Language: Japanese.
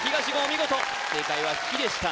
見事正解は「ひ」でした